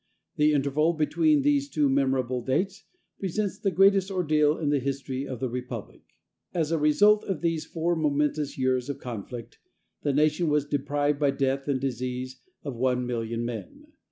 The interval between those two memorable dates presents the greatest ordeal in the history of the Republic. As a result of these four momentous years of conflict the nation was deprived by death and disease of one million men.